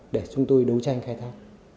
để chúng tôi đấu tranh khai thác